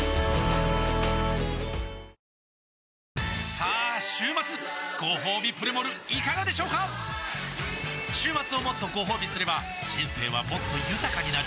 さあ週末ごほうびプレモルいかがでしょうか週末をもっとごほうびすれば人生はもっと豊かになる！